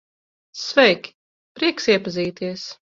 Sveiki, prieks iepazīties.